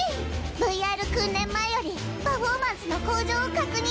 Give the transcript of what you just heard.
ＶＲ訓練前よりパフォーマンスの向上を確認。